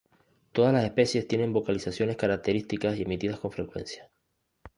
Todas las especies tienen vocalizaciones características y emitidas con frecuencia.